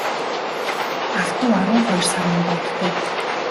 Ах дүү арван хоёр сар минь баяртай.